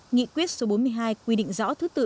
nghị quyết số bốn mươi hai quy định rõ thứ tự